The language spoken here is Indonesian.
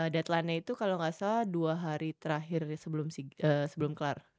deadlinenya itu kalau gak salah dua hari terakhir sebelum kelar